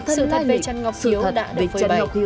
sự thật về trần ngọc hiếu đã được phơi bày